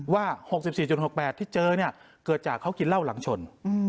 ว่า๖๔๖๘ที่เจอเนี่ยเกิดจากเขากินเหล้าหลังชน